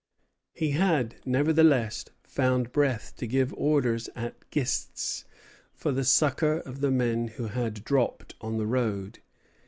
He had nevertheless found breath to give orders at Gist's for the succor of the men who had dropped on the road.